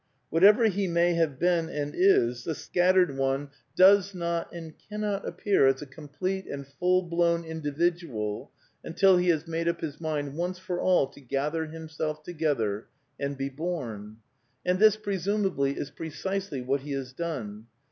Whatever he may have been and is, the scattered one does 32 A DEFENCE OF IDEALISM not and cannot appear as a complete and full blown Indi vidual until he has made up his mind once for all to gather himself together and be bom. And this presumably is precisely what he has done.